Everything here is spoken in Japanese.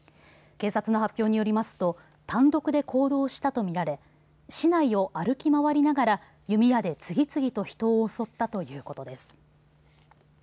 警察の発表によりますと単独で行動したと見られ市内を歩き回りながら弓矢で次々と人を襲ったということです。